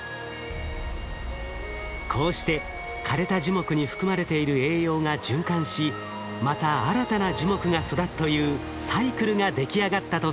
こうして枯れた樹木に含まれている栄養が循環しまた新たな樹木が育つというサイクルができ上がったとされています。